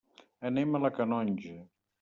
Anem a la Canonja.